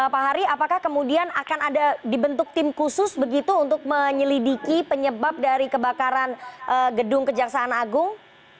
pak hari apakah kemudian akan ada dibentuk tim khusus begitu untuk menyelidiki penyebab dari kebakaran gedung kejaksaan agung